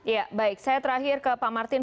ya baik saya terakhir ke pak martin